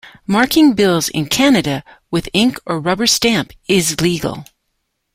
Marking bills in Canada with ink or rubber stamp is legal.